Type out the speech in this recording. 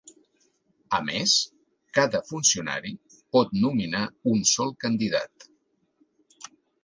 A més, cada funcionari pot nominar un sol candidat.